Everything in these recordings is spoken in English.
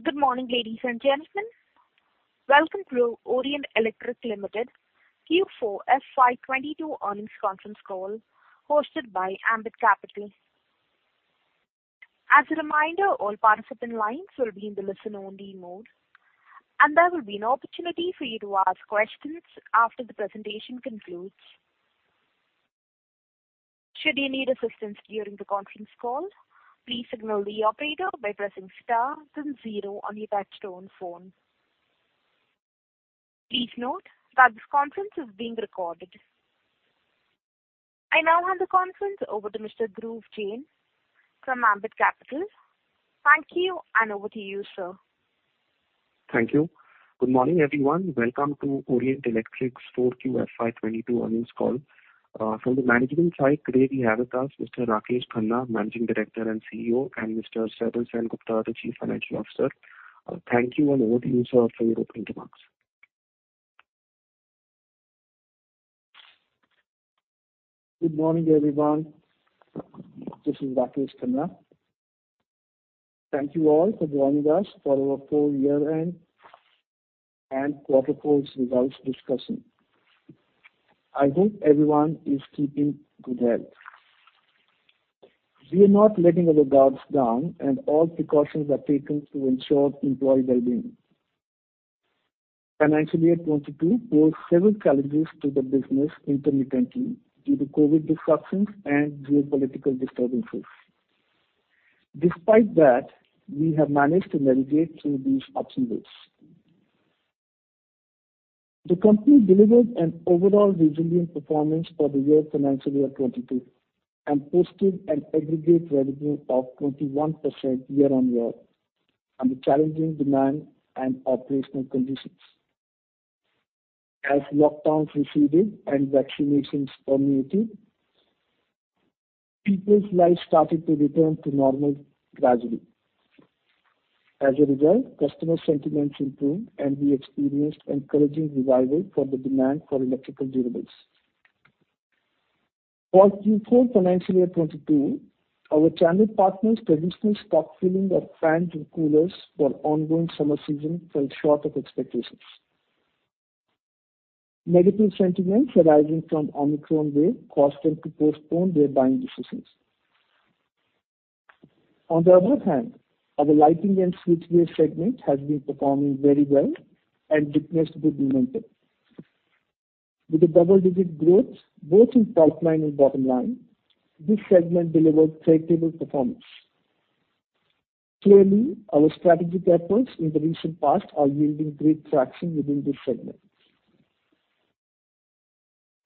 8Good morning, ladies and gentlemen. Welcome to Orient Electric Limited Q4FY22 Earnings Conference Call, hosted by Ambit Capital. As a reminder, all participant lines will be in the listen only mode, and there will be an opportunity for you to ask questions after the presentation concludes. Should you need assistance during the conference call, please signal the operator by pressing star then zero on your touchtone phone. Please note that this conference is being recorded. I now hand the conference over to Mr. Dhruv Jain from Ambit Capital. Thank you, and over to you, sir. Thank you. Good morning, everyone. Welcome to Orient Electric's Q4 FY22 earnings call. From the management side today we have with us Mr. Rakesh Khanna, Managing Director and CEO, and Mr. Saibal Sengupta, the Chief Financial Officer. Thank you, and over to you, sir, for your opening remarks. Good morning, everyone. This is Rakesh Khanna. Thank you all for joining us for our full year-end and quarter four's results discussion. I hope everyone is keeping good health. We are not letting our guards down, and all precautions are taken to ensure employee well-being. Financial year 2022 posed several challenges to the business intermittently due to COVID disruptions and geopolitical disturbances. Despite that, we have managed to navigate through these obstacles. The company delivered an overall resilient performance for the year financial year 2022 and posted an aggregate revenue of 21% year-on-year under challenging demand and operational conditions. As lockdowns receded and vaccinations permeated, people's lives started to return to normal gradually. As a result, customer sentiments improved, and we experienced encouraging revival for the demand for electrical durables. For Q4 financial year 2022, our channel partners' traditional stockpiling of fans and coolers for ongoing summer season fell short of expectations. Negative sentiments arising from Omicron wave caused them to postpone their buying decisions. On the other hand, our lighting and switchgear segment has been performing very well and witnessed good momentum. With a double-digit growth both in top line and bottom line, this segment delivered respectable performance. Clearly, our strategic efforts in the recent past are yielding great traction within this segment.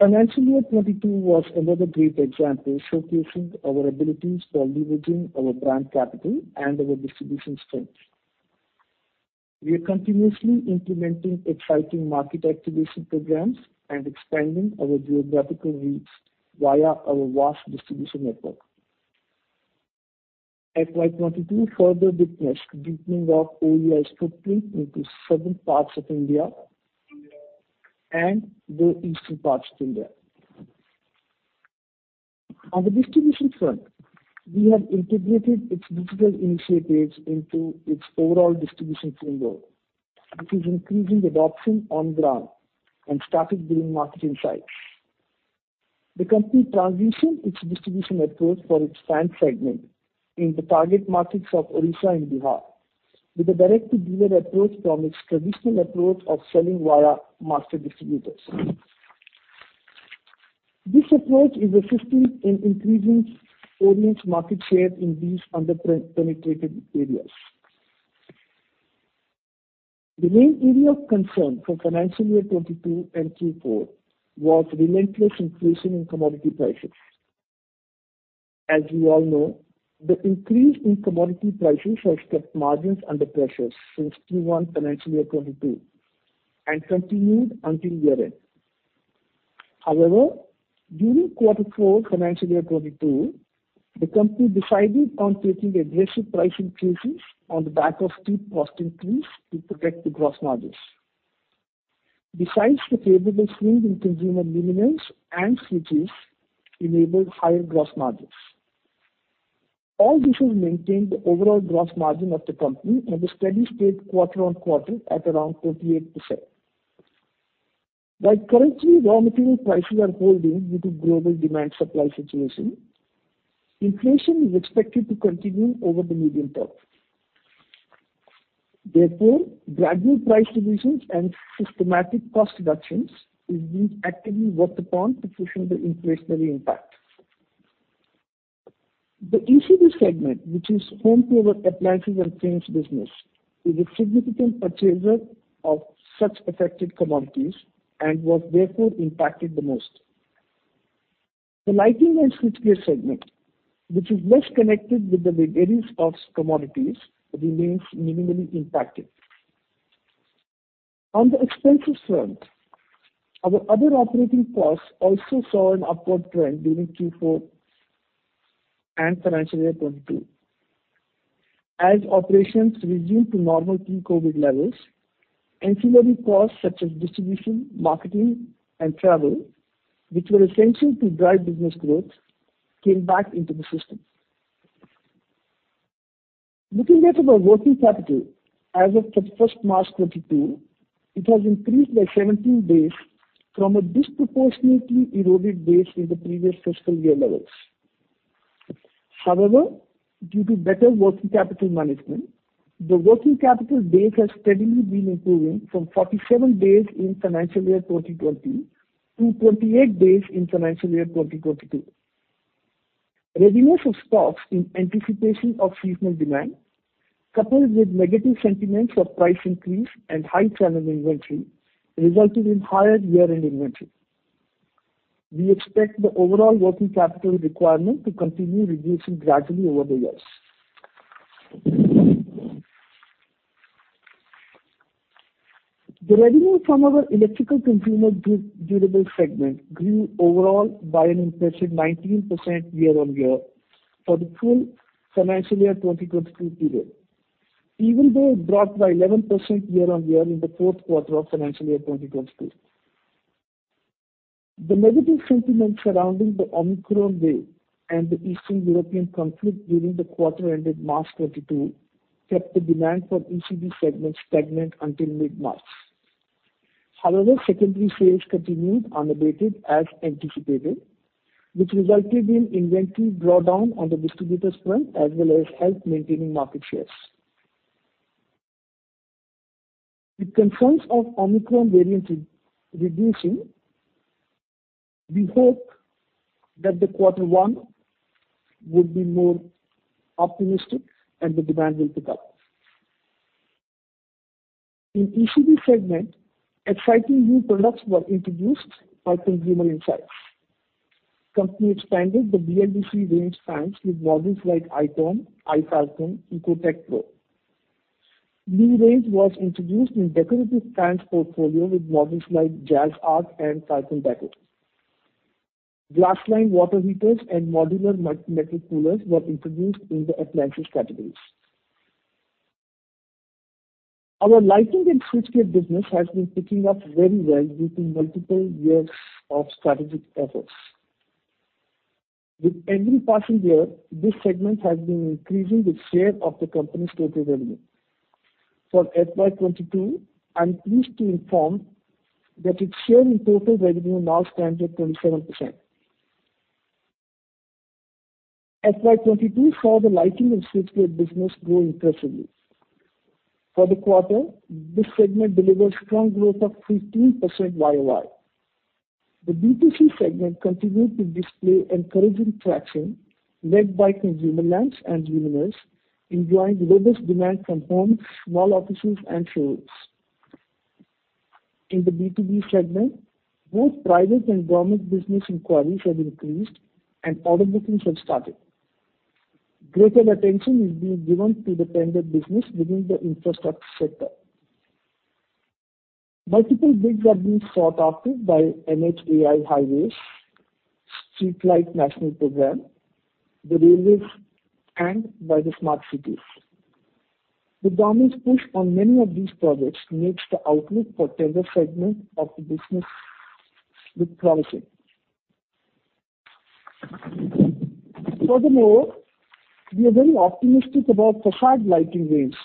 Financial year 2022 was another great example showcasing our abilities for leveraging our brand capital and our distribution strength. We are continuously implementing exciting market activation programs and expanding our geographical reach via our vast distribution network. FY 2022 further witnessed deepening of OE's footprint into southern parts of India and the eastern parts of India. On the distribution front, we have integrated its digital initiatives into its overall distribution framework, which is increasing adoption on ground and static green marketing sites. The company transitioned its distribution approach for its fan segment in the target markets of Odisha and Bihar with a direct-to-dealer approach from its traditional approach of selling via master distributors. This approach is assisting in increasing Orient's market share in these underpenetrated areas. The main area of concern for financial year 2022 and Q4 was relentless increase in commodity prices. As you all know, the increase in commodity prices has kept margins under pressure since Q1 financial year 2022 and continued until year-end. However, during quarter four financial year 2022, the company decided on taking aggressive price increases on the back of steep cost increase to protect the gross margins. Besides, the favorable swing in consumer luminaires and switches enabled higher gross margins. All this has maintained the overall gross margin of the company at a steady state quarter-on-quarter at around 38%. Currently, raw material prices are holding due to global demand-supply situation. Inflation is expected to continue over the medium term. Therefore, gradual price revisions and systematic cost reductions is being actively worked upon to cushion the inflationary impact. The ECD segment, which is home to our appliances and fans business, is a significant purchaser of such affected commodities and was therefore impacted the most. The lighting and switchgear segment, which is less connected with the various such commodities, remains minimally impacted. On the expenses front, our other operating costs also saw an upward trend during Q4 and financial year 2022. As operations resumed to normal pre-COVID levels, ancillary costs such as distribution, marketing, and travel, which were essential to drive business growth, came back into the system. Looking back at our working capital as of 1st March 2022, it has increased by 17 days from a disproportionately eroded base in the previous fiscal year levels. However, due to better working capital management, the working capital base has steadily been improving from 47 days in financial year 2020 to 28 days in financial year 2022. Reductions of stocks in anticipation of seasonal demand, coupled with negative sentiments of price increase and high channel inventory resulted in higher year-end inventory. We expect the overall working capital requirement to continue reducing gradually over the years. The revenue from our Electrical Consumer Durables segment grew overall by an impressive 19% year-on-year for the full financial year 2022 period, even though it dropped by 11% year-on-year in the fourth quarter of financial year 2022. The negative sentiment surrounding the Omicron wave and the Eastern European conflict during the quarter ended March 2022 kept the demand for ECD segment stagnant until mid-March. However, secondary sales continued unabated as anticipated, which resulted in inventory drawdown on the distributor front as well as helped maintaining market shares. With concerns of Omicron variant receding, we hope that the quarter one would be more optimistic and the demand will pick up. In ECD segment, exciting new products were introduced by consumer insights. Company expanded the BLDC range fans with models like i-Charm, I-Falcon, Ecotech Pro. New range was introduced in decorative fans portfolio with models like Jazz Arc and Falcon Deco. Glassline water heaters and modular magnetic coolers were introduced in the appliances categories. Our lighting and switchgear business has been picking up very well due to multiple years of strategic efforts. With every passing year, this segment has been increasing the share of the company's total revenue. For FY 2022, I'm pleased to inform that its share in total revenue now stands at 27%. FY 2022 saw the lighting and switchgear business grow impressively. For the quarter, this segment delivered strong growth of 15% YOY. The B2C segment continued to display encouraging traction led by consumer lamps and luminaires, enjoying robust demand from homes, small offices and showrooms. In the B2B segment, both private and government business inquiries have increased and order bookings have started. Greater attention is being given to the tender business within the infrastructure sector. Multiple bids are being sought after by NHAI highways, streetlight national program, the railways, and by the smart cities. The government's push on many of these projects makes the outlook for tender segment of the business look promising. Furthermore, we are very optimistic about façade lighting range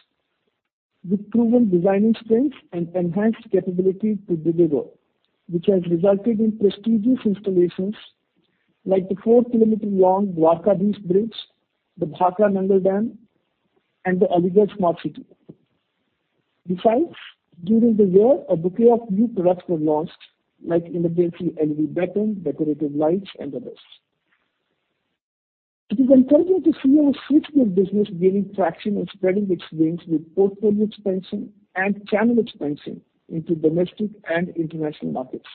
with proven designing strengths and enhanced capability to deliver, which has resulted in prestigious installations like the 4 km long Dwarka Creek Bridge, the Bhakra Nangal Dam, and the Aligarh Smart City. Besides, during the year, a bouquet of new products were launched like emergency LED batten, decorative lights, and others. It is encouraging to see our switchgear business gaining traction and spreading its wings with portfolio expansion and channel expansion into domestic and international markets.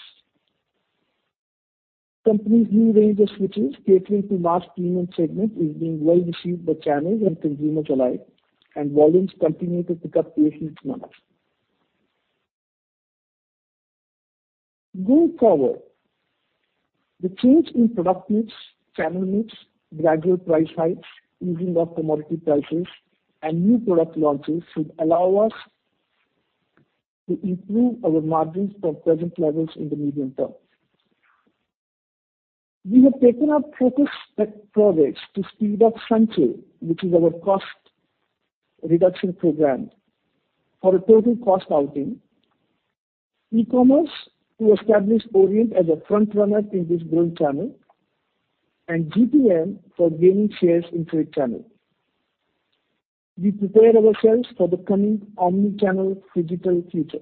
Company's new range of switches catering to large premium segment is being well received by channels and consumers alike, and volumes continue to pick up with each month. Going forward, the change in product mix, channel mix, gradual price hikes, easing of commodity prices, and new product launches should allow us to improve our margins from present levels in the medium term. We have taken up focus projects to speed up Sanchi, which is our cost reduction program, for a total cost outgo, e-commerce to establish Orient as a frontrunner in this growth channel, and GPM for gaining shares in trade channel. We prepare ourselves for the coming omni-channel phygital future.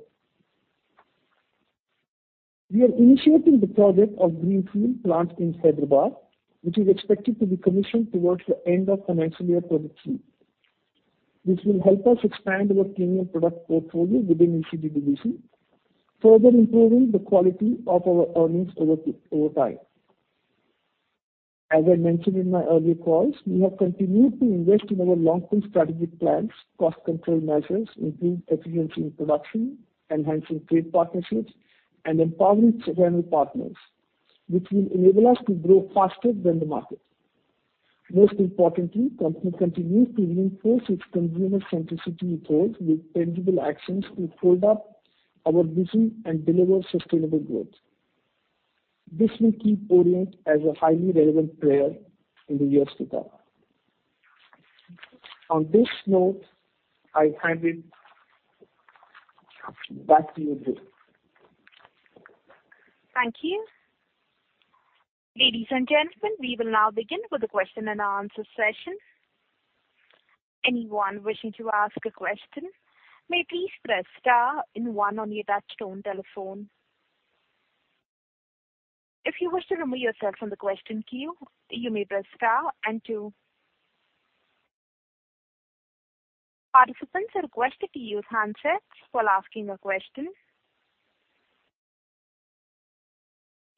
We are initiating the project of greenfield plant in Hyderabad, which is expected to be commissioned towards the end of financial year 2023. This will help us expand our premium product portfolio within ECD division, further improving the quality of our earnings over time. As I mentioned in my earlier calls, we have continued to invest in our long-term strategic plans, cost control measures, improve efficiency in production, enhancing trade partnerships, and empowering channel partners, which will enable us to grow faster than the market. Most importantly, company continues to reinforce its consumer centricity approach with tangible actions to build up our vision and deliver sustainable growth. This will keep Orient as a highly relevant player in the years to come. On this note, I hand it back to you, Dhruv Jain. Thank you. Ladies and gentlemen, we will now begin with the question and answer session. Anyone wishing to ask a question may please press star and one on your touchtone telephone. If you wish to remove yourself from the question queue, you may press star and two. Participants are requested to use handsets while asking a question.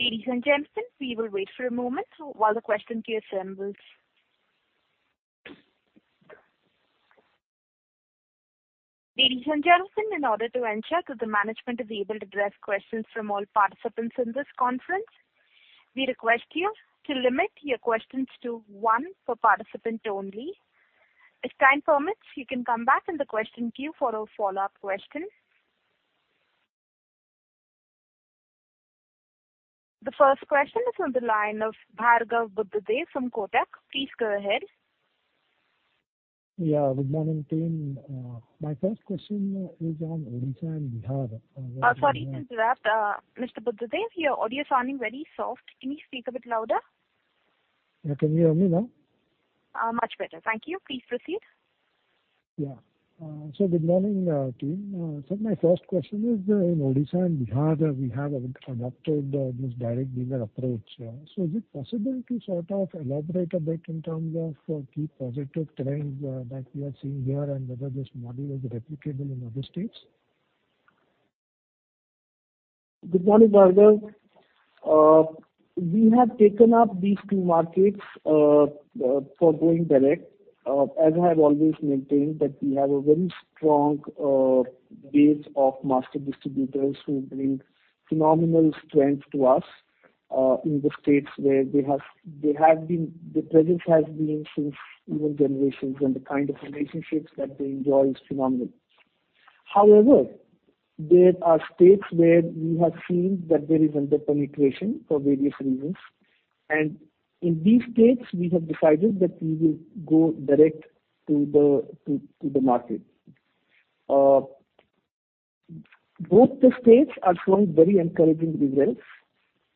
Ladies and gentlemen, we will wait for a moment while the question queue assembles. Ladies and gentlemen, in order to ensure that the management is able to address questions from all participants in this conference, we request you to limit your questions to one per participant only. If time permits, you can come back in the question queue for a follow-up question. The first question is on the line of Bhargav Buddhadev from Kotak. Please go ahead. Yeah. Good morning, team. My first question is on Odisha and Bihar. Sorry to interrupt. Mr. Buddhadev, your audio is sounding very soft. Can you speak a bit louder? Yeah. Can you hear me now? Much better. Thank you. Please proceed. Yeah. Good morning, team. My first question is, in Odisha and Bihar, we have adopted this direct dealer approach. Is it possible to sort of elaborate a bit in terms of key positive trends that we are seeing here and whether this model is replicable in other states? Good morning, Bhargav. We have taken up these two markets for going direct. As I have always maintained that we have a very strong base of master distributors who bring phenomenal strength to us in the states where their presence has been since even generations, and the kind of relationships that they enjoy is phenomenal. However, there are states where we have seen that there is under-penetration for various reasons. In these states, we have decided that we will go direct to the market. Both the states are showing very encouraging results.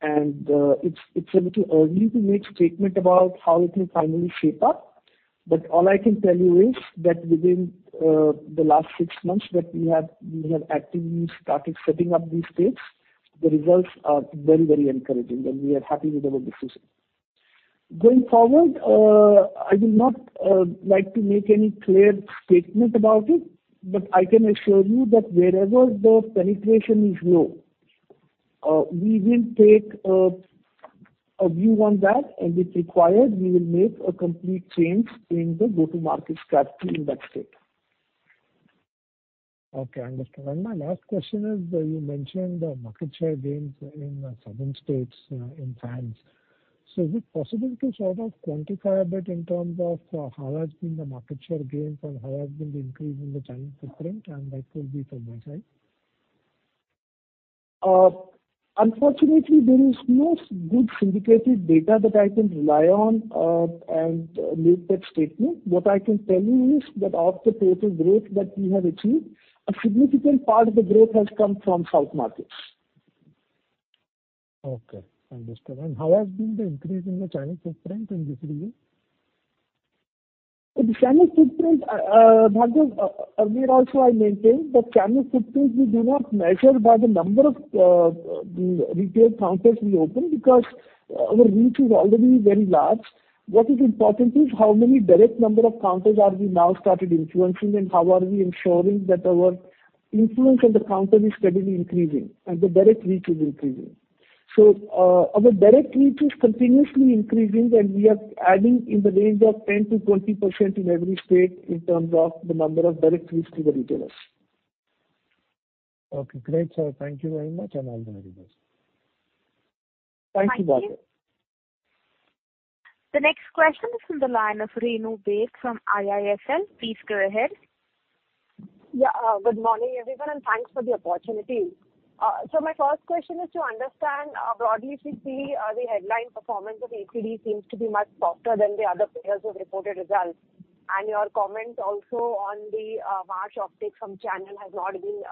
It's a little early to make statement about how it will finally shape up. All I can tell you is that within the last six months that we have actively started setting up these states, the results are very, very encouraging, and we are happy with our decision. Going forward, I will not like to make any clear statement about it, but I can assure you that wherever the penetration is low, we will take a view on that, and if required, we will make a complete change in the go-to-market strategy in that state. Okay, understood. My last question is, you mentioned the market share gains in southern states, in fans. Is it possible to sort of quantify a bit in terms of, how has been the market share gains and how has been the increase in the channel footprint? That will be from my side. Unfortunately, there is no good syndicated data that I can rely on, and make that statement. What I can tell you is that of the total growth that we have achieved, a significant part of the growth has come from south markets. Okay, understood. How has been the increase in the channel footprint in this region? The channel footprint, Bhargav, earlier also I maintained that channel footprint we do not measure by the number of, the retail counters we open because our reach is already very large. What is important is how many direct number of counters are we now started influencing and how are we ensuring that our influence on the counter is steadily increasing and the direct reach is increasing. Our direct reach is continuously increasing, and we are adding in the range of 10%-20% in every state in terms of the number of direct reach to the retailers. Okay, great, sir. Thank you very much, and all the very best. Thank you, Bhargav. Thank you. The next question is from the line of Renu Baid from IIFL. Please go ahead. Yeah. Good morning, everyone, and thanks for the opportunity. My first question is to understand, broadly if we see, the headline performance of APD seems to be much softer than the other players who have reported results. Your comments also on the March update from channel has not been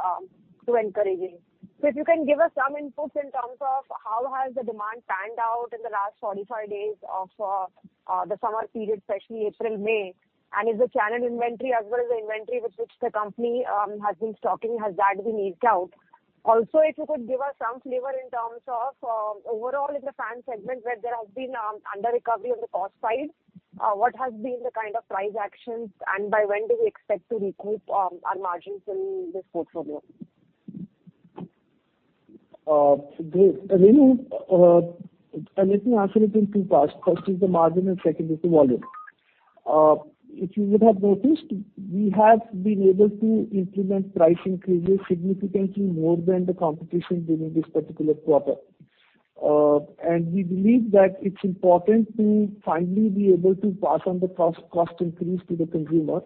too encouraging. If you can give us some inputs in terms of how has the demand panned out in the last 45 days of the summer period, especially April, May. Is the channel inventory as well as the inventory with which the company has been stocking, has that been eased out? If you could give us some flavor in terms of overall in the fan segment, where there has been under-recovery on the cost side, what has been the kind of price actions, and by when do we expect to recoup our margins in this portfolio? Renu, let me answer it in two parts. First is the margin and second is the volume. If you would have noticed, we have been able to implement price increases significantly more than the competition during this particular quarter. We believe that it's important to finally be able to pass on the cost increase to the consumer,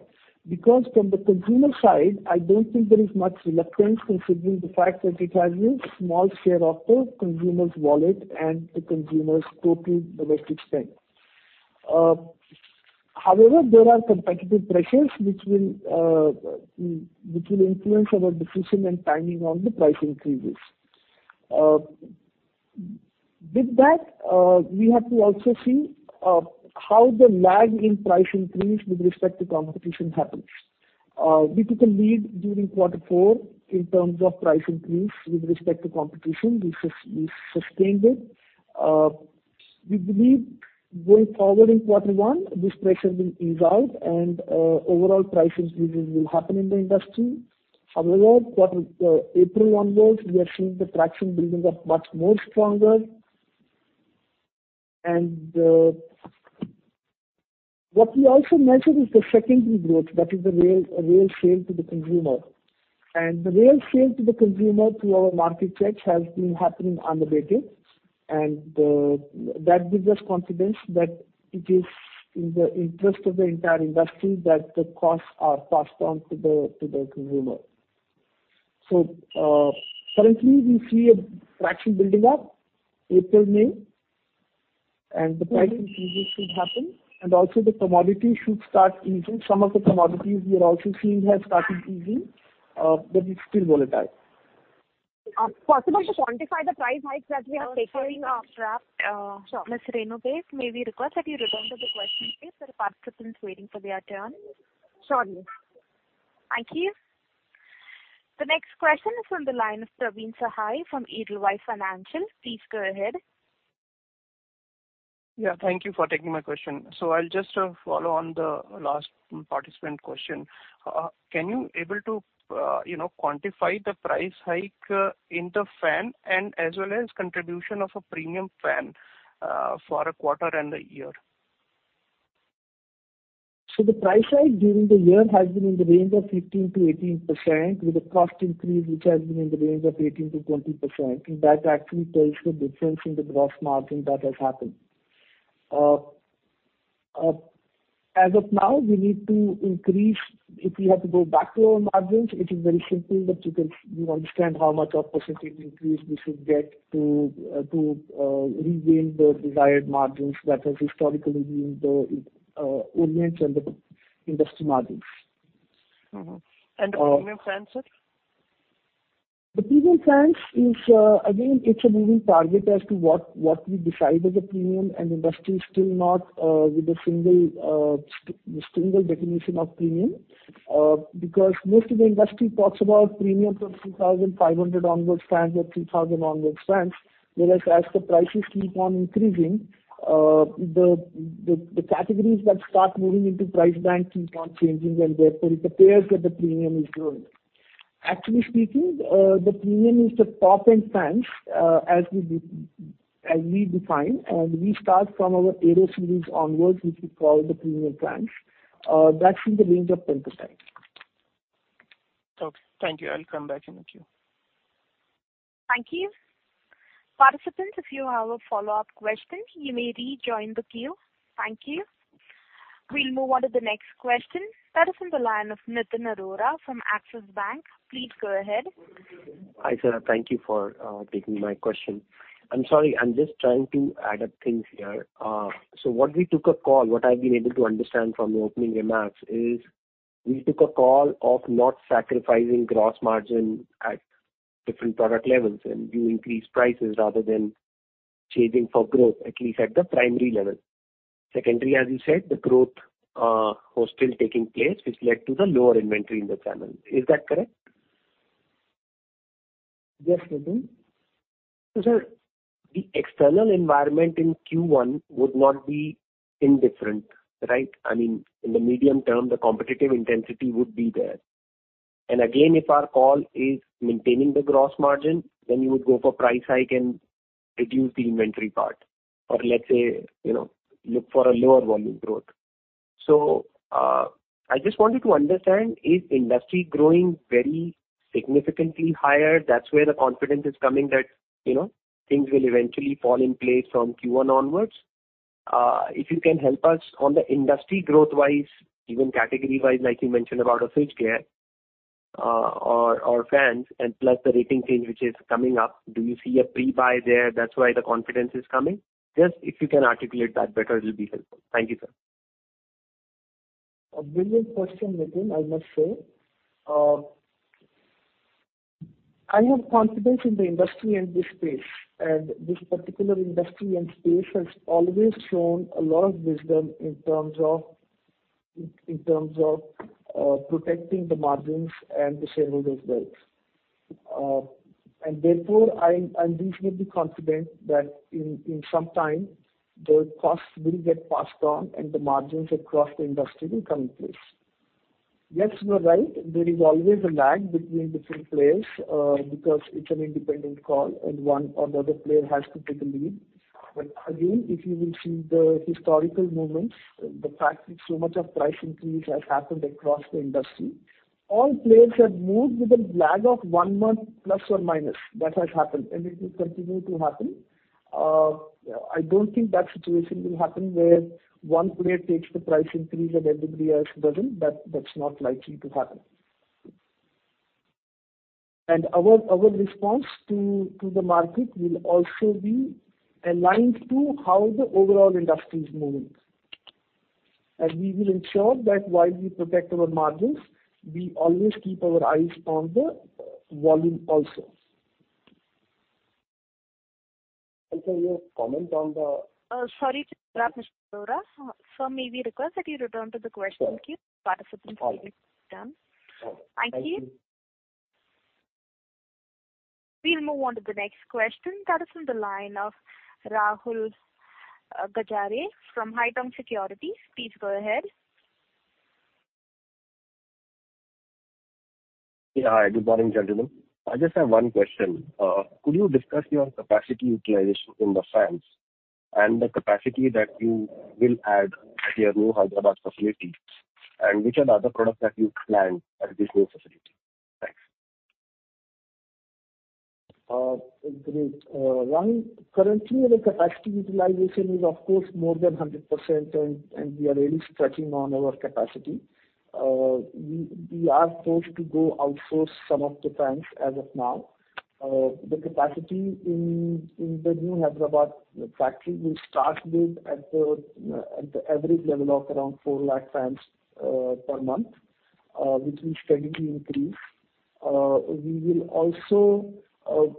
because from the consumer side, I don't think there is much reluctance considering the fact that it has a small share of the consumer's wallet and the consumer's total domestic spend. However, there are competitive pressures which will influence our decision and timing on the price increases. With that, we have to also see how the lag in price increase with respect to competition happens. We took a lead during quarter four in terms of price increase with respect to competition. We sustained it. We believe going forward in quarter one, this pressure will ease out and, overall price increases will happen in the industry. However, April onwards, we are seeing the traction building up much more stronger. What we also measured is the secondary growth. That is the real sale to the consumer. The real sale to the consumer through our market checks has been happening unabated, and that gives us confidence that it is in the interest of the entire industry that the costs are passed on to the consumer. Currently we see a traction building up April, May, and the price increases should happen. Also the commodity should start easing. Some of the commodities we are also seeing have started easing, but it's still volatile. Possible to quantify the price hikes that we are taking up? Sir, Ms. Renu, may we request that you return to the question please? There are participants waiting for their turn. Sorry. Thank you. The next question is from the line of Praveen Sahay from Edelweiss Financial Services. Please go ahead. Yeah. Thank you for taking my question. I'll just follow on the last participant question. Can you able to, you know, quantify the price hike in the fan and as well as contribution of a premium fan for a quarter and the year? The price hike during the year has been in the range of 15%-18%, with a cost increase which has been in the range of 18%-20%. That actually tells the difference in the gross margin that has happened. As of now, we need to increase. If we have to go back to our margins, it is very simple that you understand how much of percentage increase we should get to to regain the desired margins that has historically been the Orient and the industry margins. Mm-hmm. Uh- The premium fans, sir? The premium fans is again a moving target as to what we decide as a premium, and the industry is still not with a single definition of premium. Because most of the industry talks about premiums of 3,500 onward fans or 3,000 onward fans. Whereas the prices keep on increasing, the categories that start moving into price band keep on changing, and therefore it appears that the premium is growing. Actually speaking, the premium is the top-end fans as we define, and we start from our Aero series onward, which we call the premium fans. That's in the range of 10%. Okay. Thank you. I'll come back in the queue. Thank you. Participants, if you have a follow-up question, you may rejoin the queue. Thank you. We'll move on to the next question. That is from the line of Nitin Arora from Axis Capital. Please go ahead. Hi, sir. Thank you for taking my question. I'm sorry, I'm just trying to add up things here. What I've been able to understand from your opening remarks is we took a call of not sacrificing gross margin at different product levels, and you increase prices rather than chasing for growth, at least at the primary level. Secondary, as you said, the growth was still taking place, which led to the lower inventory in the channel. Is that correct? Yes, Nitin. Sir, the external environment in Q1 would not be indifferent, right? I mean, in the medium term, the competitive intensity would be there. Again, if our call is maintaining the gross margin, then you would go for price hike and reduce the inventory part. Or let's say, you know, look for a lower volume growth. I just wanted to understand, is industry growing very significantly higher? That's where the confidence is coming that, you know, things will eventually fall in place from Q1 onwards. If you can help us on the industry growth-wise, even category-wise, like you mentioned about a fridge care, or fans, and plus the rating change which is coming up, do you see a pre-buy there, that's why the confidence is coming? Just if you can articulate that better, it'll be helpful. Thank you, sir. A brilliant question, Nitin, I must say. I have confidence in the industry and this space, and this particular industry and space has always shown a lot of wisdom in terms of protecting the margins and the shareholders' wealth. And therefore I'm reasonably confident that in some time, the costs will get passed on and the margins across the industry will come in place. Yes, you are right. There is always a lag between different players, because it's an independent call and one or the other player has to take the lead. Again, if you will see the historical movements, the fact that so much of price increase has happened across the industry, all players have moved with a lag of one month plus or minus. That has happened, and it will continue to happen. I don't think that situation will happen where one player takes the price increase and everybody else doesn't. That's not likely to happen. Our response to the market will also be aligned to how the overall industry is moving. We will ensure that while we protect our margins, we always keep our eyes on the volume also. Can you comment on the? Sorry to interrupt, Nitin Arora. Sir, may we request that you return to the question queue? Participants will be done. Okay. Thank you. We'll move on to the next question. That is on the line of Rahul Gajare from Haitong Securities. Please go ahead. Yeah. Hi, good morning, gentlemen. I just have one question. Could you discuss your capacity utilization in the fans and the capacity that you will add at your new Hyderabad facility? Which are the other products that you plan at this new facility? Thanks. Currently the capacity utilization is of course more than 100% and we are really stretching on our capacity. We are forced to go outsource some of the fans as of now. The capacity in the new Hyderabad factory will start at the average level of around 4 lakh fans per month, which will steadily increase. We will also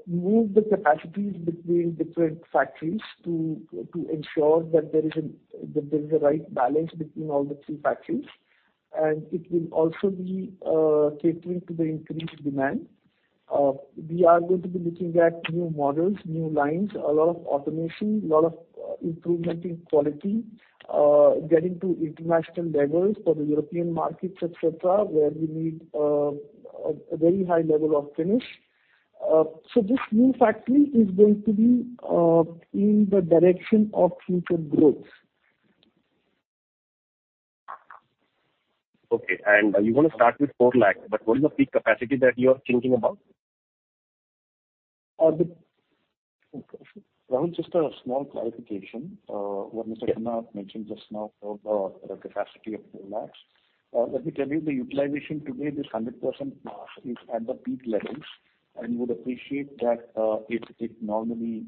move the capacities between different factories to ensure that there is a right balance between all the three factories, and it will also be catering to the increased demand. We are going to be looking at new models, new lines, a lot of automation, a lot of improvement in quality, getting to international levels for the European markets, et cetera, where we need a very high level of finish. This new factory is going to be in the direction of future growth. Okay. You want to start with 4 lakh, but what is the peak capacity that you are thinking about? Uh, the... Rahul, just a small clarification. What Nitin Arora mentioned just now about the capacity of 4 lakhs. Let me tell you the utilization today, this 100% is at the peak levels, and you would appreciate that, it normally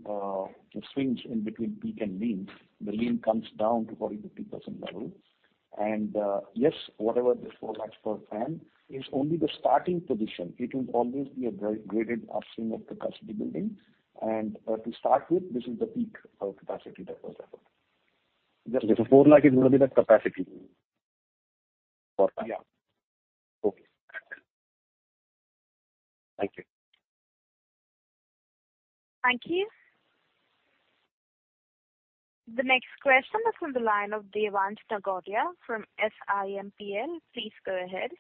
swings in between peak and lean. The lean comes down to 40%-50% level. Yes, whatever this 4 lakhs per fan is only the starting position. It will always be a graded upstream of capacity building. To start with, this is the peak of capacity that was offered. Okay. 4 lakh is going to be the capacity for that? Yeah. Okay. Thank you. Thank you. The next question is on the line of Devansh Nagoria from SiMPL. Please go ahead.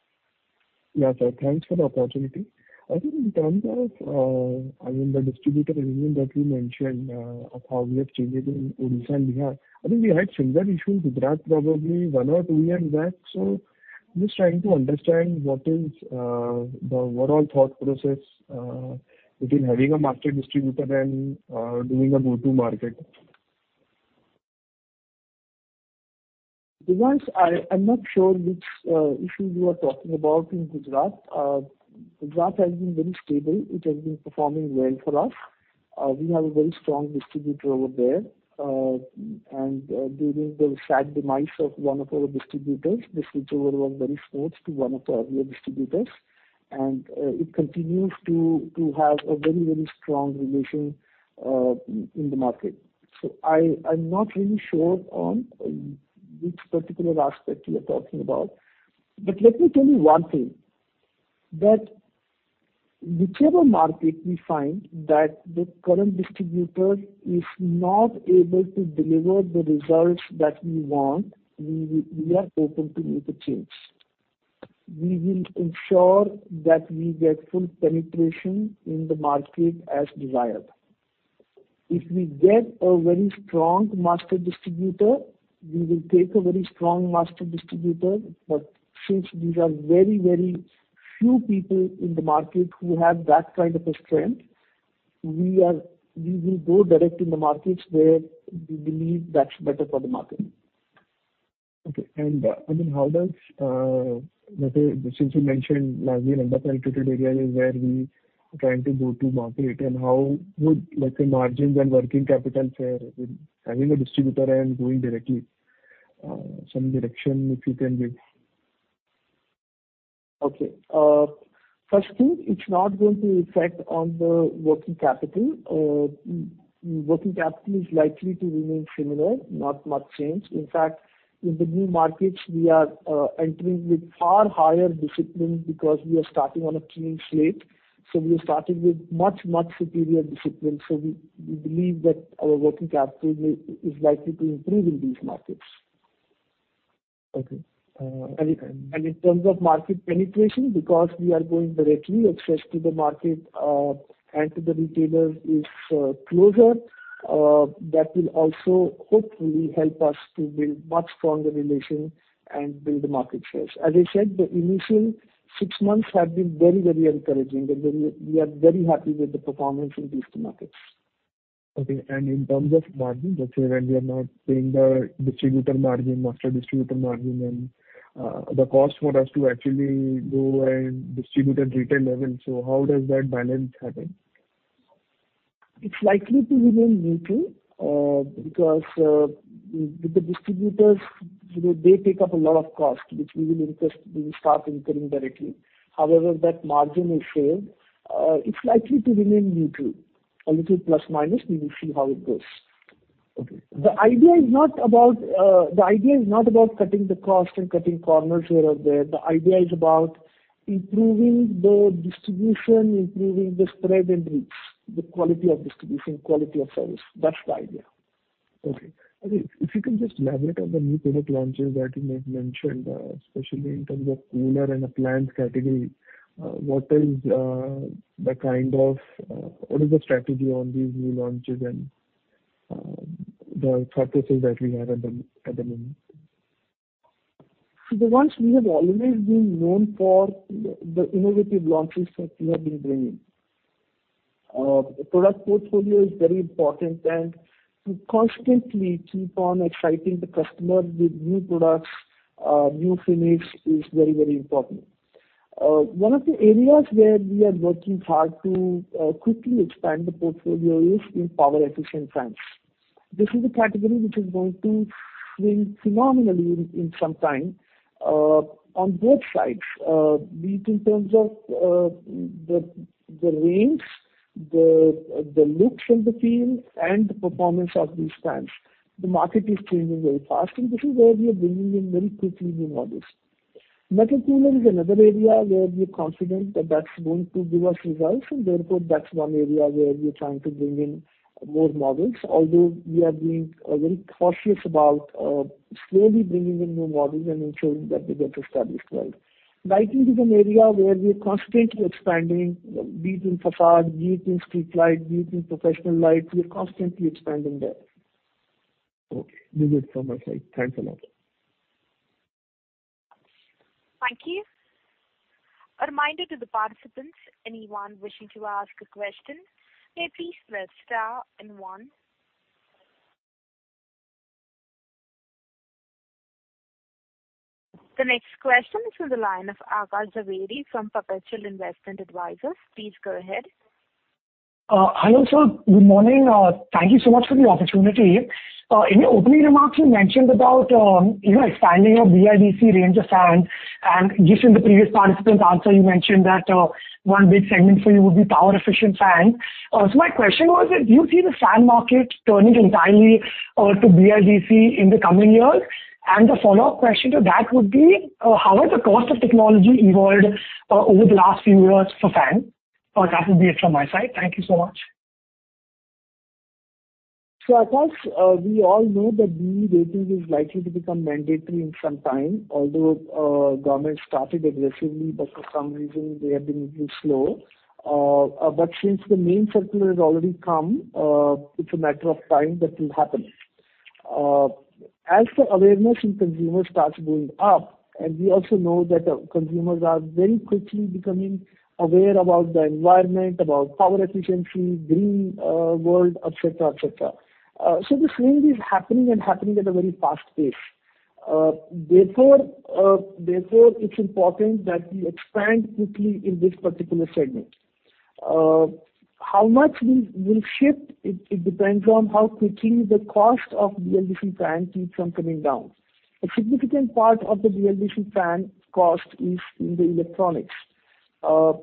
Yeah, sir. Thanks for the opportunity. I think in terms of, I mean, the distributor agreement that you mentioned, of how we have changed it in Odisha and Bihar. I think we had similar issues in Gujarat probably one or two years back. Just trying to understand what is the overall thought process between having a master distributor and doing a go-to-market. Devansh, I'm not sure which issue you are talking about in Gujarat. Gujarat has been very stable. It has been performing well for us. We have a very strong distributor over there. During the sad demise of one of our distributors, the switchover was very smooth to one of the earlier distributors. It continues to have a very strong relation in the market. I'm not really sure on which particular aspect you are talking about. Let me tell you one thing, that whichever market we find that the current distributor is not able to deliver the results that we want, we are open to make a change. We will ensure that we get full penetration in the market as desired. If we get a very strong master distributor, we will take a very strong master distributor. Since these are very, very few people in the market who have that kind of a strength, we will go direct in the markets where we believe that's better for the market. Okay. I mean, how does, let's say, since you mentioned largely underpenetrated area is where we are trying to go-to-market, and how would, let's say, margins and working capital fare with having a distributor and going directly? Some direction which you can give. Okay. First thing, it's not going to affect on the working capital. Working capital is likely to remain similar, not much change. In fact, in the new markets, we are entering with far higher discipline because we are starting on a clean slate. We are starting with much, much superior discipline. We believe that our working capital is likely to improve in these markets. Okay. In terms of market penetration, because we are going direct access to the market, and to the retailers is closer, that will also hopefully help us to build much stronger relation and build market shares. As I said, the initial six months have been very encouraging and we are very happy with the performance in these two markets. Okay. In terms of margin, let's say when we are not paying the distributor margin, master distributor margin and the cost for us to actually go and distribute at retail level. So how does that balance happen? It's likely to remain neutral, because with the distributors, you know, they take up a lot of cost, which we will start incurring directly. However, that margin is saved. It's likely to remain neutral. A little plus minus, we will see how it goes. Okay. The idea is not about cutting the cost and cutting corners here or there. The idea is about improving the distribution, improving the spread and reach, the quality of distribution, quality of service. That's the idea. Okay. I think if you can just elaborate on the new product launches that you had mentioned, especially in terms of cooler and appliance category, what is the strategy on these new launches and the thought process that we have at the moment. The ones we have always been known for the innovative launches that we have been bringing. The product portfolio is very important, and to constantly keep on exciting the customer with new products, new finish is very, very important. One of the areas where we are working hard to quickly expand the portfolio is in power efficient fans. This is a category which is going to swing phenomenally in some time on both sides, be it in terms of the range, the looks and the feel and the performance of these fans. The market is changing very fast, and this is where we are bringing in very quickly new models. Metal cooler is another area where we are confident that that's going to give us results, and therefore that's one area where we are trying to bring in more models. Although we are being very cautious about slowly bringing in new models and ensuring that they get established well. Lighting is an area where we are constantly expanding, be it in façade, be it in street light, be it in professional lights. We are constantly expanding there. Okay. This is it from my side. Thanks a lot. Thank you. A reminder to the participants, anyone wishing to ask a question, may please press star and one. The next question is from the line of Aakash Javeri from Perpetual Investment Advisors. Please go ahead. Hi all. Good morning. Thank you so much for the opportunity. In your opening remarks, you mentioned about, you know, expanding your BLDC range of fans, and just in the previous participant's answer, you mentioned that, one big segment for you would be power efficient fans. My question was that do you see the fan market turning entirely to BLDC in the coming years? The follow-up question to that would be, how has the cost of technology evolved over the last few years for fans? That would be it from my side. Thank you so much. Aakash, we all know that BEE rating is likely to become mandatory in some time. Although government started aggressively, but for some reason they have been a little slow. But since the main circular has already come, it's a matter of time that will happen. As the awareness in consumers starts going up, and we also know that consumers are very quickly becoming aware about the environment, about power efficiency, green world, et cetera, et cetera. The swing is happening and happening at a very fast pace. Therefore it's important that we expand quickly in this particular segment. How much we will shift, it depends on how quickly the cost of BLDC fan keeps on coming down. A significant part of the BLDC fan cost is in the electronics.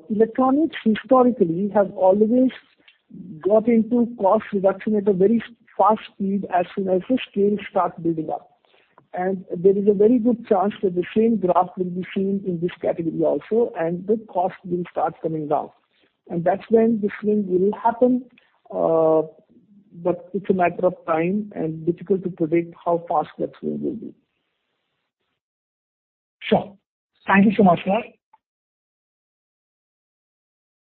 Electronics historically have always got into cost reduction at a very fast speed as soon as the scales start building up. There is a very good chance that the same graph will be seen in this category also, and the cost will start coming down. That's when the swing will happen, but it's a matter of time and difficult to predict how fast that swing will be. Sure. Thank you so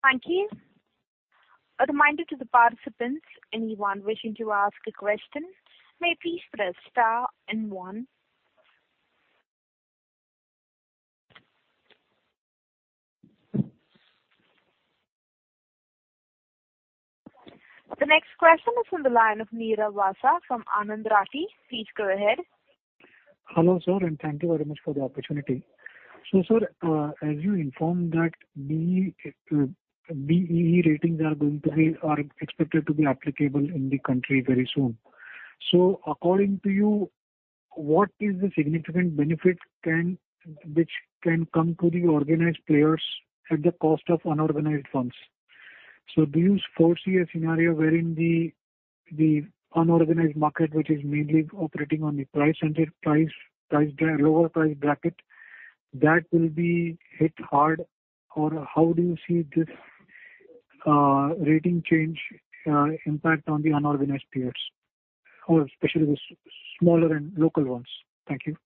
much, sir. Thank you. A reminder to the participants, anyone wishing to ask a question, may please press star and one. The next question is from the line of Nirav Vasa from Anand Rathi. Please go ahead. Hello, sir, and thank you very much for the opportunity. Sir, as you informed that BEE ratings are going to be or expected to be applicable in the country very soon. According to you, what is the significant benefit which can come to the organized players at the cost of unorganized firms? Do you foresee a scenario wherein the unorganized market, which is mainly operating on the lower price bracket, that will be hit hard, or how do you see this rating change impact on the unorganized peers or especially the smaller and local ones? Thank you.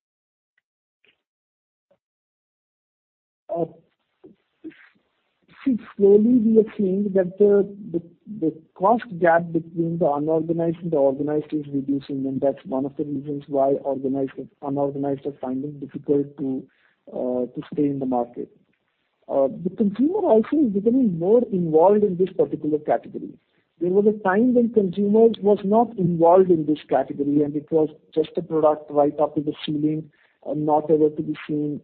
See, slowly we are seeing that the cost gap between the unorganized and the organized is reducing, and that's one of the reasons why organized and unorganized are finding difficult to stay in the market. The consumer also is becoming more involved in this particular category. There was a time when consumers was not involved in this category, and it was just a product right up to the ceiling and not ever to be seen.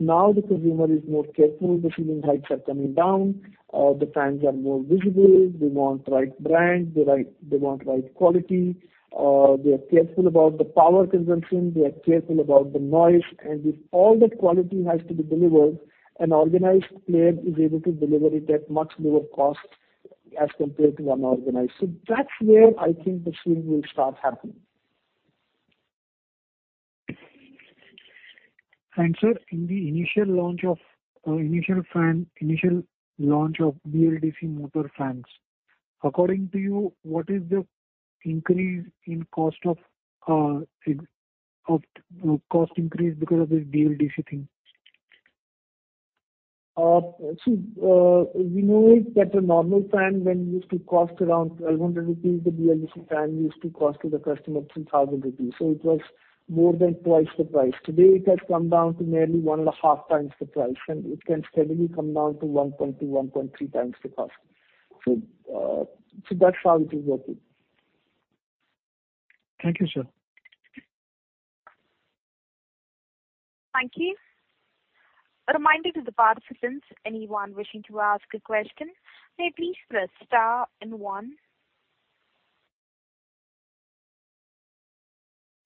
Now the consumer is more careful. The ceiling heights are coming down. The fans are more visible. They want right brand. They want right quality. They are careful about the power consumption. They are careful about the noise. If all that quality has to be delivered, an organized player is able to deliver it at much lower cost as compared to unorganized. That's where I think the shift will start happening. Sir, in the initial launch of BLDC motor fans, according to you, what is the cost increase because of this BLDC thing? We know that a normal fan then used to cost around 1,200 rupees. The BLDC fan used to cost the customer 2,000 rupees, so it was more than twice the price. Today, it has come down to nearly one and a half times the price, and it can steadily come down to 1.2, 1.3 times the cost. That's how it is working. Thank you, sir. Thank you. A reminder to the participants, anyone wishing to ask a question, may please press star and one.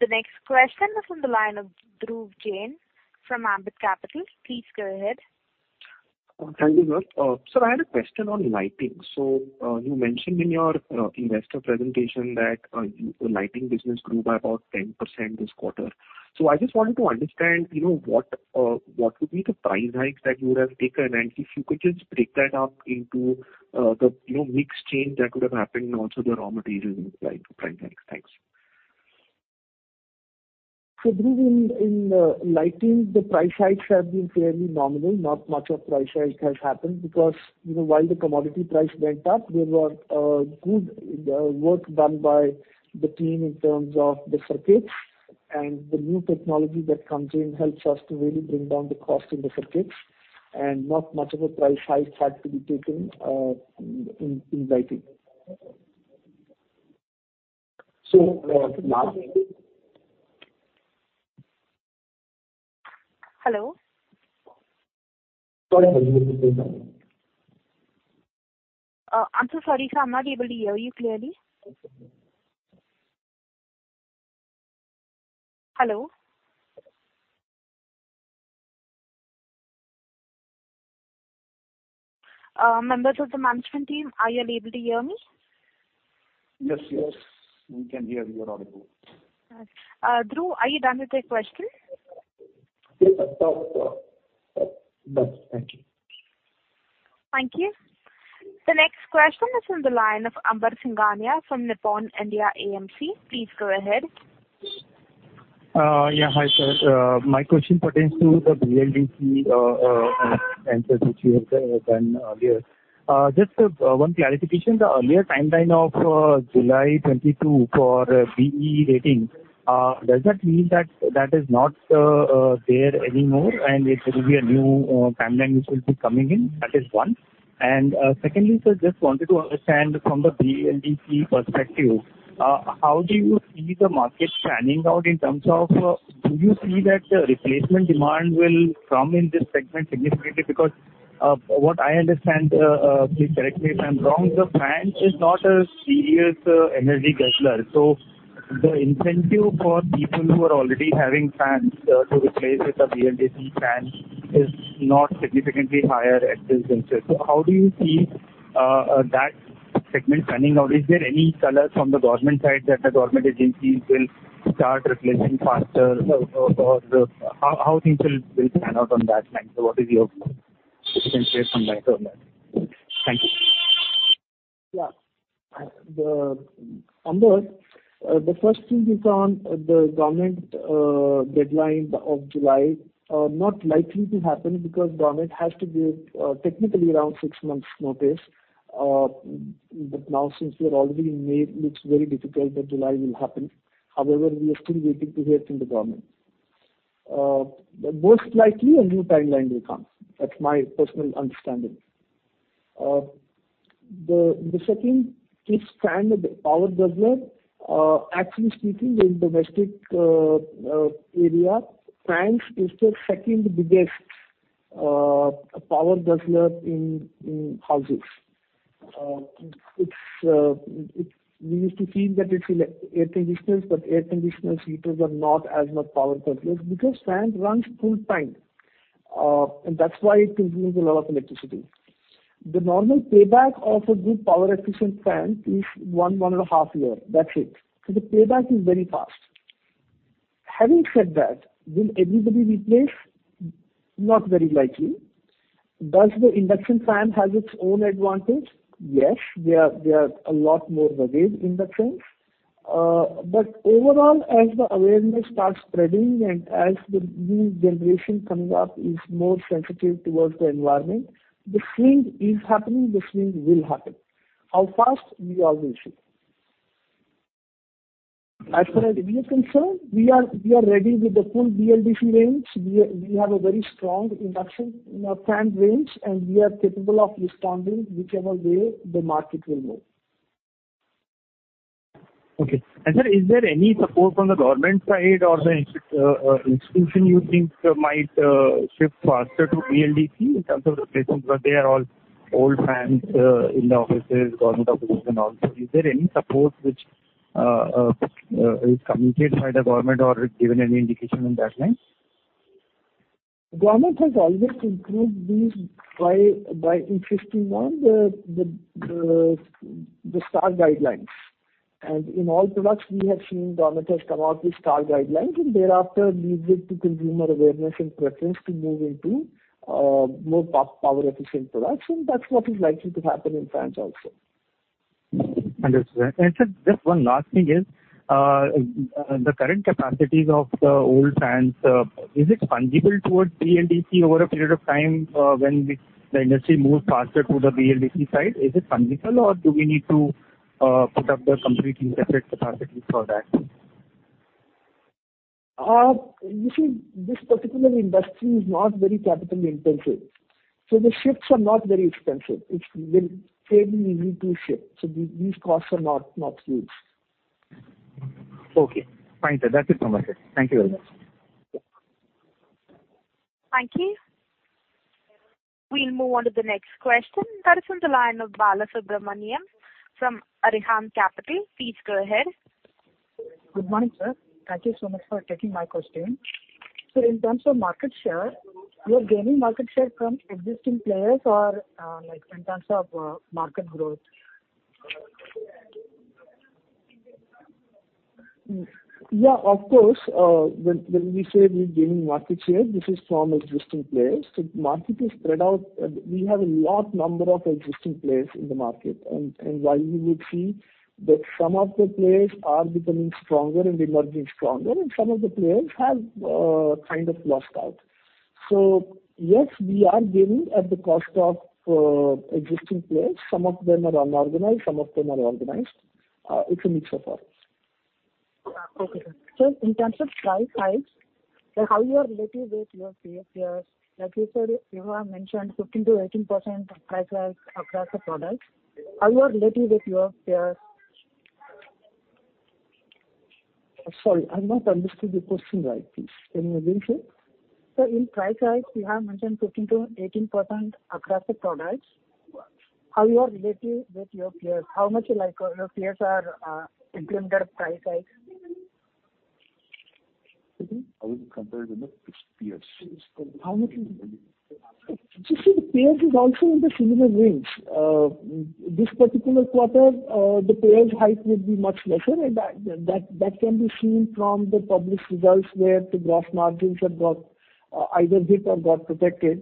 The next question is on the line of Dhruv Jain from Ambit Capital. Please go ahead. Thank you, ma'am. Sir, I had a question on lighting. You mentioned in your investor presentation that the lighting business grew by about 10% this quarter. I just wanted to understand, you know, what would be the price hikes that you would have taken, and if you could just break that up into the, you know, mix change that could have happened and also the raw materials implied to price hikes. Thanks. Dhruv, in lighting, the price hikes have been fairly nominal. Not much of price hike has happened because, you know, while the commodity price went up, there were good work done by the team in terms of the circuits and the new technology that comes in helps us to really bring down the cost in the circuits. Not much of a price hike had to be taken in lighting. Last week. Hello? Sorry I'm so sorry, sir. I'm not able to hear you clearly. Hello? Members of the management team, are you able to hear me? Yes, yes. We can hear you audible. All right. Dhruv, are you done with your question? Yes, that's all. Done. Thank you. Thank you. The next question is on the line of Amber Singhania from Nippon India AMC. Please go ahead. Yeah. Hi, sir. My question pertains to the BLDC answers which you have done earlier. Just one clarification, the earlier timeline of July 2022 for BEE rating, does that mean that that is not there anymore and it will be a new timeline which will be coming in? That is one. Secondly, sir, just wanted to understand from the BLDC perspective, how do you see the market panning out in terms of do you see that replacement demand will come in this segment significantly? Because what I understand, please correct me if I'm wrong, the fan is not a serious energy guzzler. The incentive for people who are already having fans to replace with a BLDC fan is not significantly higher at this juncture. How do you see that segment panning out? Is there any color from the government side that the government agencies will start replacing faster or how things will pan out on that front? If you can shed some light on that. Thank you. Yeah. Amber, the first thing is on the government deadline of July, not likely to happen because government has to give, technically around six months' notice. Now since we are already in May, looks very difficult that July will happen. However, we are still waiting to hear from the government. Most likely a new timeline will come. That's my personal understanding. The second is fan, the power guzzler. Actually speaking, in domestic area, fans is the second biggest power guzzler in houses. It's we used to feel that it's air conditioners, but air conditioners, heaters are not as much power guzzlers because fan runs full time. That's why it consumes a lot of electricity. The normal payback of a good power efficient fan is 1-1.5 years. That's it. The payback is very fast. Having said that, will everybody replace? Not very likely. Does the induction fan has its own advantage? Yes. They are a lot more rugged inductions. But overall, as the awareness starts spreading and as the new generation coming up is more sensitive towards the environment, the swing is happening, the swing will happen. How fast? We all will see. As far as we are concerned, we are ready with the full BLDC range. We have a very strong induction fan range, and we are capable of responding whichever way the market will move. Okay. Sir, is there any support from the government side or the institution you think might shift faster to BLDC in terms of replacements, because they are all old fans in the offices, government offices and all. Is there any support which is communicated by the government or given any indication in that line? Government has always encouraged these by insisting on the STAR guidelines. In all products we have seen government has come out with STAR guidelines, and thereafter leaves it to consumer awareness and preference to move into more power efficient products, and that's what is likely to happen in fans also. Understood. Sir, just one last thing is, the current capacities of the old fans, is it fungible towards BLDC over a period of time, when the industry moves faster to the BLDC side? Is it fungible or do we need to put up the completely separate capacity for that? You see, this particular industry is not very capital intensive, so the shifts are not very expensive. They're fairly easy to shift, so these costs are not huge. Okay. Fine, sir. That's it from my side. Thank you very much. Thank you. We'll move on to the next question. That is on the line of Balasubramanian from Arihant Capital. Please go ahead. Good morning, sir. Thank you so much for taking my question. In terms of market share, you're gaining market share from existing players or, like in terms of, market growth? Yeah, of course. When we say we're gaining market share, this is from existing players. Market is spread out. We have a large number of existing players in the market. While you would see that some of the players are becoming stronger and emerging stronger, and some of the players have kind of lost out. Yes, we are gaining at the cost of existing players. Some of them are unorganized, some of them are organized. It's a mix of all. Okay, sir. In terms of price hikes, like how you are relative with your peers? Like you said, you have mentioned 15%-18% price hike across the products. How you are relative with your peers? Sorry, I've not understood the question right. Please, can you repeat? Sir, in price hikes you have mentioned 15%-18% across the products. How you are relative with your peers? How much, like, your peers are implementing their price hikes? How is it compared with the peers? How much is? You see, the peers is also in the similar range. This particular quarter, the peers' hike will be much lesser, and that can be seen from the published results, where the gross margins have got, either hit or got protected.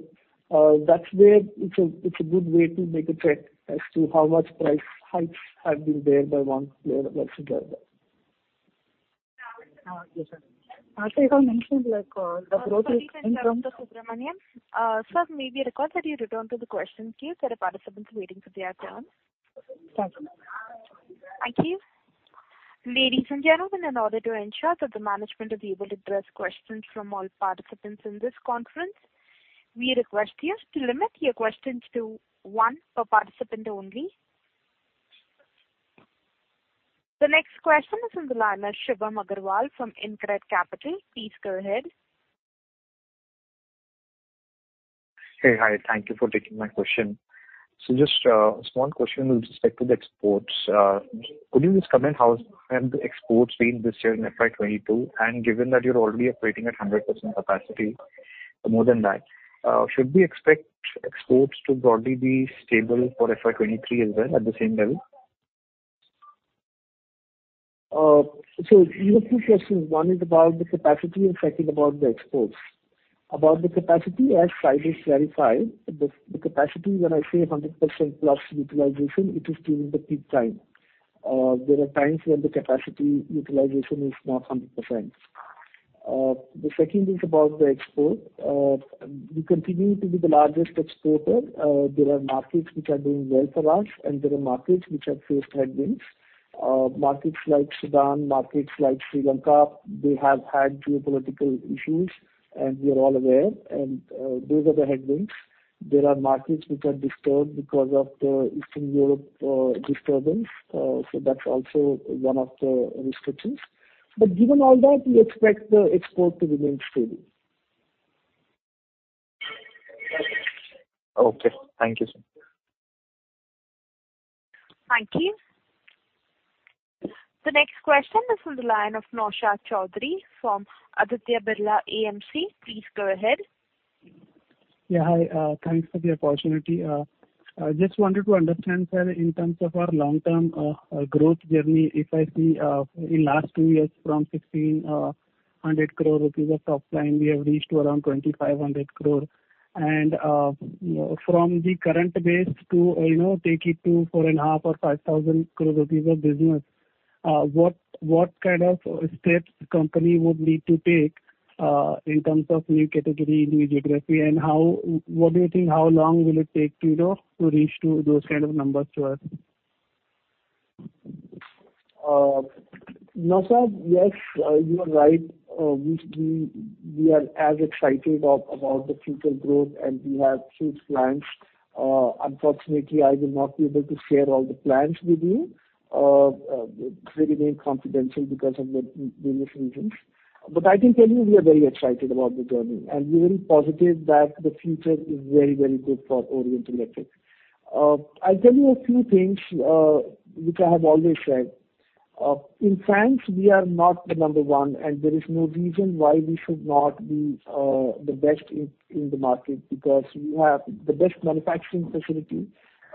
That's where it's a good way to make a check as to how much price hikes have been there by one player versus the other. Yes, sir. After you have mentioned like the growth. Sorry, Mr. Balasubramanian. Sir, may we request that you return to the question queue? There are participants waiting for their turn. Sorry. Thank you. Ladies and gentlemen, in order to ensure that the management is able to address questions from all participants in this conference, we request you to limit your questions to one per participant only. The next question is on the line. Shubham Agarwal from InCred Capital. Please go ahead. Hey. Hi. Thank you for taking my question. Just a small question with respect to the exports. Could you just comment how have the exports been this year in FY 2022, and given that you're already operating at 100% capacity or more than that, should we expect exports to broadly be stable for FY 2023 as well at the same level? You have two questions. One is about the capacity and second about the exports. About the capacity, as Sai has clarified, the capacity when I say 100% plus utilization, it is during the peak time. There are times when the capacity utilization is not 100%. The second is about the export. We continue to be the largest exporter. There are markets which are doing well for us, and there are markets which have faced headwinds. Markets like Sudan, markets like Sri Lanka, they have had geopolitical issues, and we are all aware, and those are the headwinds. There are markets which are disturbed because of the Eastern Europe disturbance, so that's also one of the restrictions. Given all that, we expect the export to remain stable. Okay, thank you, sir. Thank you. The next question is on the line of Naushad Chaudhary from Aditya Birla AMC. Please go ahead. Yeah, hi, thanks for the opportunity. I just wanted to understand, sir, in terms of our long-term growth journey, if I see, in last two years from 1,600 crore rupees of top line, we have reached to around 2,500 crore. You know, from the current base to, you know, take it to 4.5 or 5,000 crore of business, what kind of steps the company would need to take, in terms of new category, new geography? What do you think, how long will it take to, you know, to reach to those kind of numbers, sir? No, sir. Yes, you are right. We are as excited about the future growth, and we have huge plans. Unfortunately, I will not be able to share all the plans with you, they remain confidential because of the business reasons. I can tell you we are very excited about the journey, and we're very positive that the future is very, very good for Orient Electric. I'll tell you a few things, which I have always said. In fans, we are not the number one, and there is no reason why we should not be the best in the market, because we have the best manufacturing facility.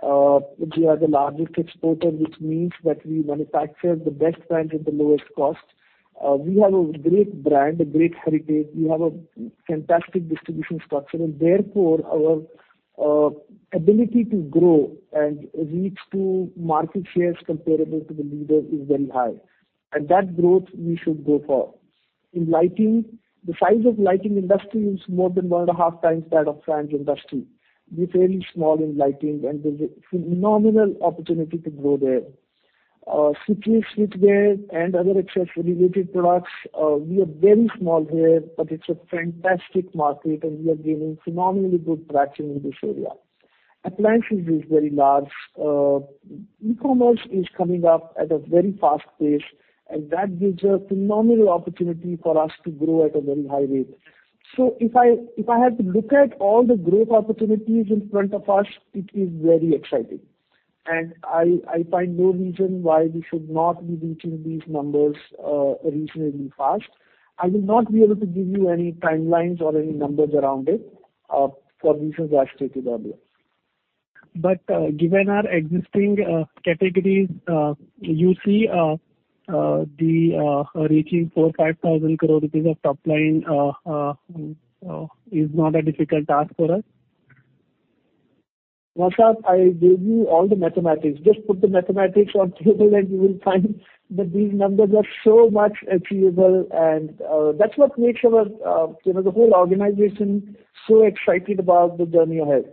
We are the largest exporter, which means that we manufacture the best brands at the lowest cost. We have a great brand, a great heritage. We have a fantastic distribution structure. Therefore, our ability to grow and reach market shares comparable to the leader is very high, and that growth we should go for. In lighting, the size of lighting industry is more than one and a half times that of fans industry. We're fairly small in lighting, and there's a phenomenal opportunity to grow there. Switches, switchgear and other accessories related products, we are very small here, but it's a fantastic market and we are gaining phenomenally good traction in this area. Appliances is very large. E-commerce is coming up at a very fast pace, and that gives a phenomenal opportunity for us to grow at a very high rate. If I had to look at all the growth opportunities in front of us, it is very exciting. I find no reason why we should not be reaching these numbers, reasonably fast. I will not be able to give you any timelines or any numbers around it, for reasons I stated earlier. Given our existing categories, you see, the reaching 45,000 crore rupees of top line is not a difficult task for us? Naushad, I gave you all the mathematics. Just put the mathematics on table and you will find that these numbers are so much achievable. That's what makes our, you know, the whole organization so excited about the journey ahead.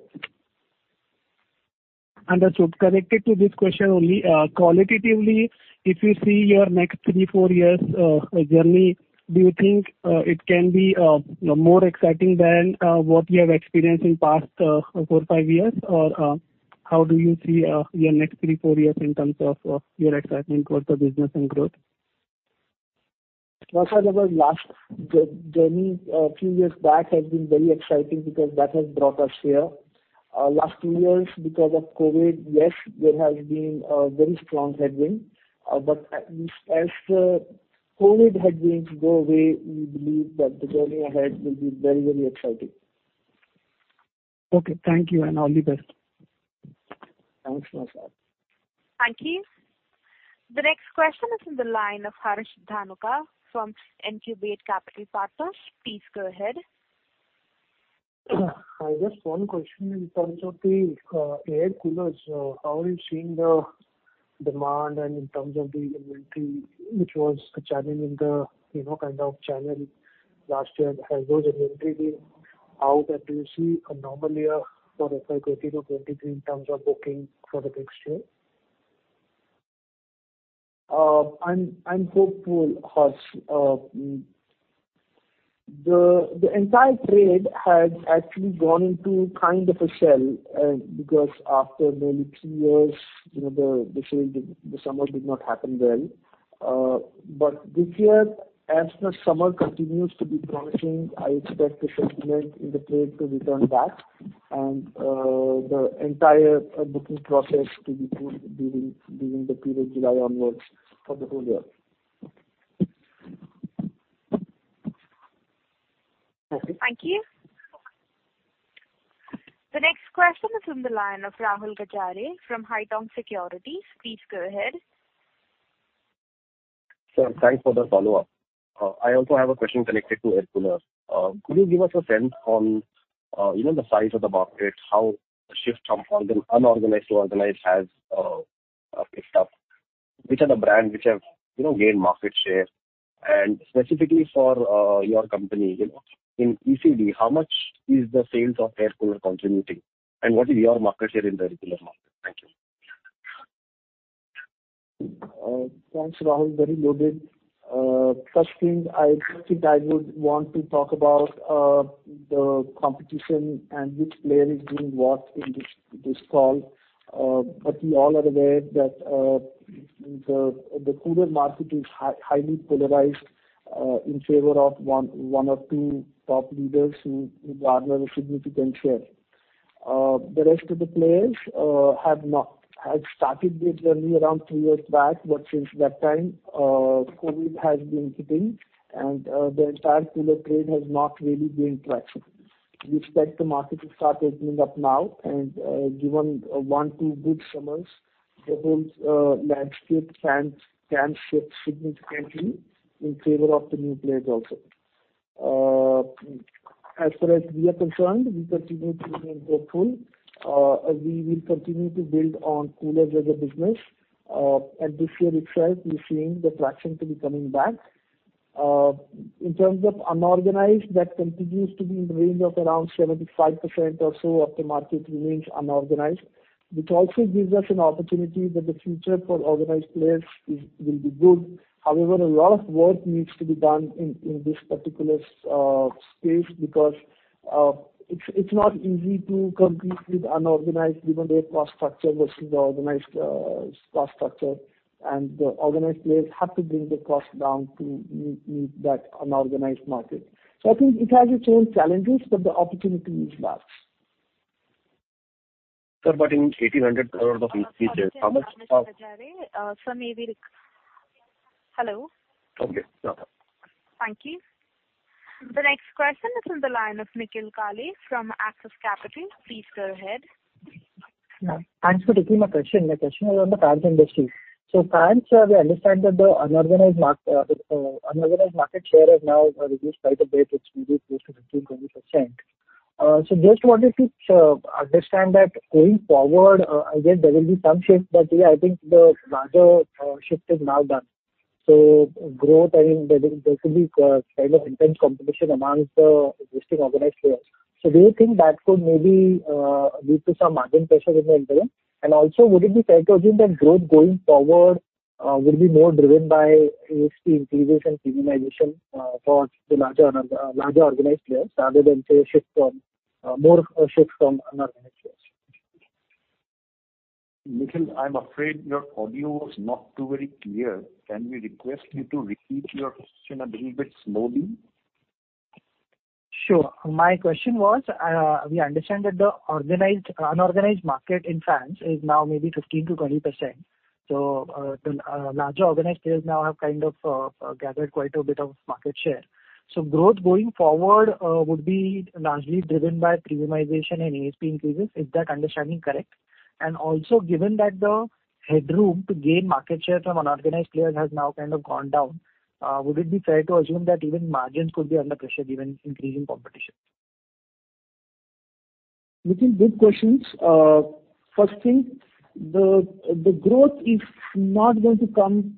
Understood. Connected to this question only, qualitatively, if you see your next three to four years journey, do you think it can be more exciting than what we have experienced in past four to five years? Or, how do you see your next three to four years in terms of your excitement for the business and growth? Naushad Chaudhary, our last journey few years back has been very exciting because that has brought us here. Last two years because of COVID, yes, there has been a very strong headwind. As COVID headwinds go away, we believe that the journey ahead will be very, very exciting. Okay. Thank you, and all the best. Thanks, Naushad Chaudhary. Thank you. The next question is in the line of Harsh Dhanuka from Ncubate Capital Partners. Please go ahead. I have just one question in terms of the air coolers. How are you seeing the demand and in terms of the inventory which was a challenge in the, you know, kind of channel last year as well as inventory build, how can we see a normal year for FY 2022-2023 in terms of booking for the next year? I'm hopeful, Harsh. The entire trade had actually gone into kind of a shell, because after nearly two years, you know, the summer did not happen well. This year, as the summer continues to be promising, I expect the sentiment in the trade to return back and the entire booking process to be good during the period July onwards for the whole year. Thank you. Thank you. The next question is in the line of Rahul Gajare from Haitong Securities. Please go ahead. Sir, thanks for the follow-up. I also have a question connected to air coolers. Could you give us a sense on, you know, the size of the market, how the shift from unorganized to organized has picked up? Which are the brands which have, you know, gained market share? And specifically for your company, you know, in ECD, how much is the sales of air cooler contributing? And what is your market share in the air cooler market? Thank you. Thanks, Rahul. Very loaded. First thing, I don't think I would want to talk about the competition and which player is doing what in this call. We all are aware that the cooler market is highly polarized in favor of one of two top leaders who garner a significant share. The rest of the players have started this journey around three years back, but since that time, COVID has been hitting and the entire cooler trade has not really gained traction. We expect the market to start opening up now and, given one, two good summers, the whole landscape can shift significantly in favor of the new players also. As far as we are concerned, we continue to remain hopeful. We will continue to build on coolers as a business. This year itself, we're seeing the traction to be coming back. In terms of unorganized, that continues to be in the range of around 75% or so of the market remains unorganized. Which also gives us an opportunity that the future for organized players will be good. However, a lot of work needs to be done in this particular space because it's not easy to compete with unorganized given their cost structure versus the organized cost structure. The organized players have to bring the cost down to meet that unorganized market. I think it has its own challenges, but the opportunity is vast. Sir, in INR 1,800 crore of Hello? Okay. Thank you. The next question is from the line of Nikhil Kale from Axis Capital. Please go ahead. Yeah. Thanks for taking my question. My question is on the fans industry. Fans, we understand that the unorganized market share has now reduced quite a bit. It's maybe close to 15%-20%. Just wanted to understand that going forward, again, there will be some shift, but yeah, I think the larger shift is now done. Growth, I mean, there will, there could be kind of intense competition amongst existing organized players. Do you think that could maybe lead to some margin pressure in the interim? And also, would it be fair to assume that growth going forward will be more driven by ASP increases and premiumization for the larger organized players rather than say a shift from more shift from unorganized players? Nikhil, I'm afraid your audio was not too very clear. Can we request you to repeat your question a little bit slowly? Sure. My question was, we understand that the organized, unorganized market in fans is now maybe 15%-20%. The larger organized players now have kind of gathered quite a bit of market share. Growth going forward would be largely driven by premiumization and ASP increases. Is that understanding correct? Given that the headroom to gain market share from unorganized players has now kind of gone down, would it be fair to assume that even margins could be under pressure given increasing competition? Nikhil, good questions. First thing, the growth is not going to come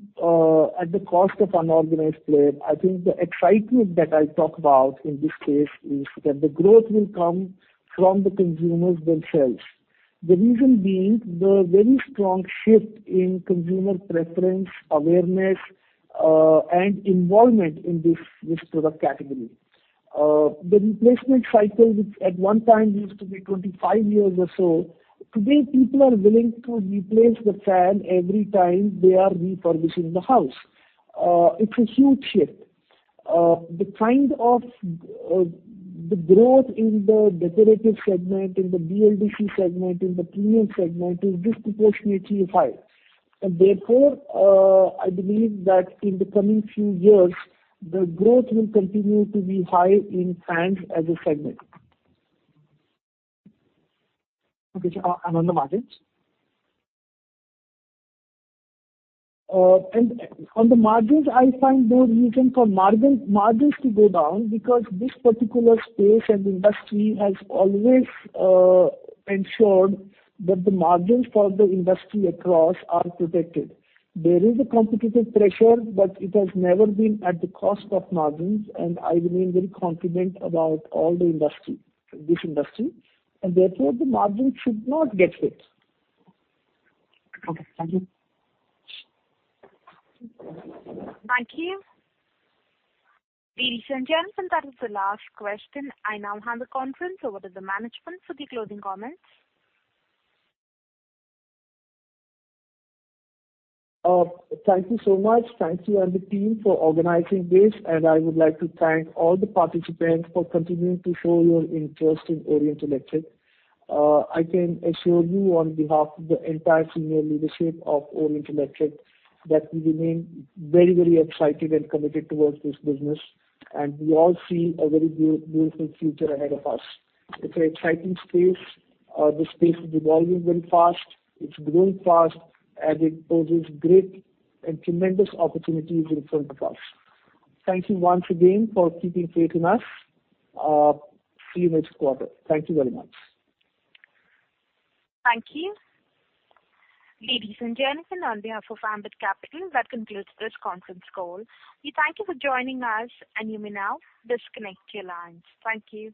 at the cost of unorganized player. I think the excitement that I talk about in this case is that the growth will come from the consumers themselves. The reason being the very strong shift in consumer preference, awareness, and involvement in this product category. The replacement cycle, which at one time used to be 25 years or so, today people are willing to replace the fan every time they are refurbishing the house. It's a huge shift. The kind of the growth in the decorative segment, in the BLDC segment, in the premium segment is disproportionately high. Therefore, I believe that in the coming few years, the growth will continue to be high in fans as a segment. Okay, sir. On the margins? On the margins, I find no reason for margins to go down because this particular space and industry has always ensured that the margins for the industry across are protected. There is a competitive pressure, but it has never been at the cost of margins, and I remain very confident about all the industry, this industry, and therefore the margins should not get hit. Okay. Thank you. Thank you. Ladies and gentlemen, that is the last question. I now hand the conference over to the management for the closing comments. Thank you so much. Thank you and the team for organizing this. I would like to thank all the participants for continuing to show your interest in Orient Electric. I can assure you on behalf of the entire senior leadership of Orient Electric that we remain very, very excited and committed towards this business. We all see a very beautiful future ahead of us. It's an exciting space. The space is evolving very fast. It's growing fast, and it poses great and tremendous opportunities in front of us. Thank you once again for keeping faith in us. See you next quarter. Thank you very much. Thank you. Ladies and gentlemen, on behalf of Ambit Capital, that concludes this conference call. We thank you for joining us, and you may now disconnect your lines. Thank you.